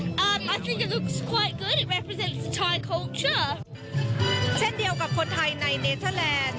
มาโชว์ความเป็นไทยในต่างแดน